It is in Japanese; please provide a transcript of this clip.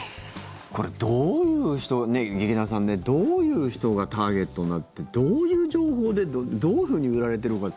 これ、どういう人を劇団さんねどういう人がターゲットになってどういう情報でどういうふうに売られてるか。